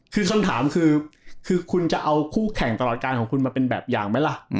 คือคำถามคือคุณจะเอาคู่แข่งตลอดการของคุณมาเป็นแบบอย่างไหมล่ะ